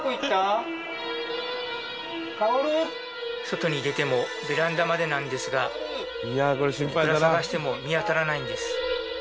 外に出てもベランダまでなんですがいくら捜しても見当たらないんです。